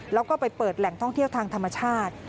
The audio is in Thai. แล้วก็ไปเปิดแหล่งท่องเที่ยวทางธรรมชาติ